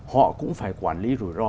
họ cũng phải quản lý rủi ro